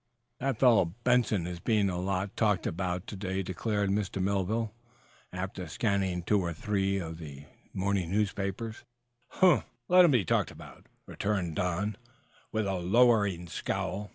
'" "That fellow Benson is being a lot talked about to day," declared Mr. Melville, after scanning two or three of the morning papers. "Humph! Let him be talked about," returned Don, with a lowering scowl.